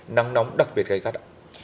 nắng nóng đặc biệt gai gắt ạ